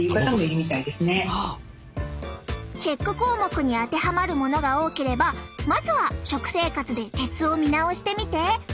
チェック項目に当てはまるものが多ければまずは食生活で鉄を見直してみて。